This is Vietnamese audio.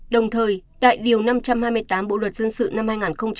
đồng thời đại điều năm trăm hai mươi tám bộ luật dân sự năm hai nghìn một mươi năm cũng quy định